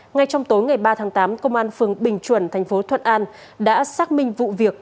ngay trong tối ngày ba tháng tám công an phường bình chuẩn thành phố thuận an đã xác minh vụ việc